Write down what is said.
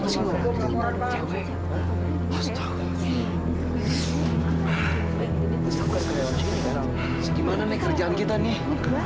sebagai mana nih kerjaan kita nih